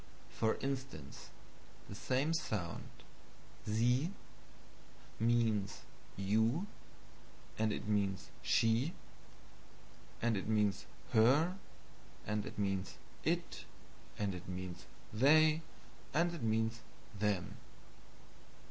For instance, the same sound, SIE, means YOU, and it means SHE, and it means HER, and it means IT, and it means THEY, and it means THEM.